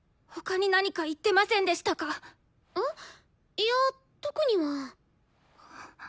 いや特には。